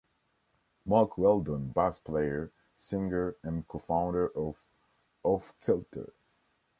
Mark Weldon: Bass player, singer, and co-founder of Off Kilter.